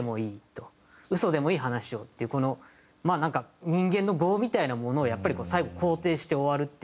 「嘘でもいい話を」っていうこのなんか人間の業みたいなものをやっぱり最後肯定して終わるっていう。